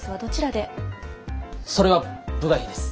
それは部外秘です。